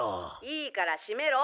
いいから閉めろ！